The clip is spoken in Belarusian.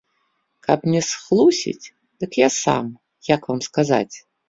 Каб не схлусіць, дык я сам, як вам сказаць!